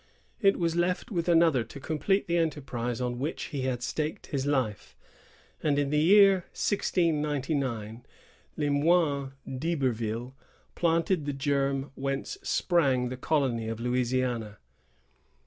It was left with another to complete the enterprise on which he had staked his life; and, in the year 1699, Lemoine d'Iberville planted the germ whence sprang the colony of Louisiana.